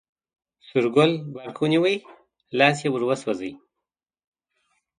سور ګل برق ونیوی، لاس یې وروسوځوی.